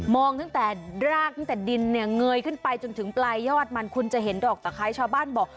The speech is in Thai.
ตั้งแต่รากตั้งแต่ดินเนี่ยเงยขึ้นไปจนถึงปลายยอดมันคุณจะเห็นดอกตะไคร้ชาวบ้านบอก